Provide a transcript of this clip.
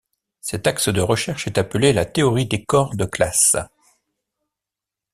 Cet axe de recherche est appelé la théorie des corps de classes.